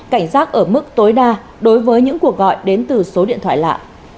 cảnh giác ở mức tối đa đối với những cuộc gọi đến từ số điện thoại lạ